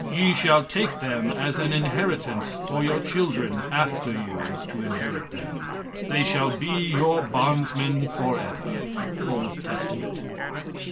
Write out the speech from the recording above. Ye shall take them as an inheritance for your children after you to inherit them. They shall be your bondsmen forever." (Old Testament.)